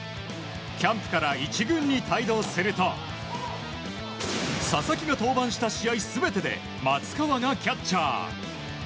キャンプから１軍に帯同すると佐々木が登板した試合全てで松川がキャッチャー。